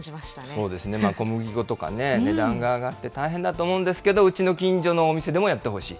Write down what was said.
そうですね、小麦粉とかね、値段が上がって大変だと思うんですけど、うちの近所のお店でもやってほしい。